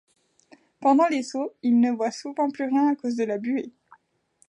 Pendant les sauts, il ne voit souvent plus rien à cause de la buée.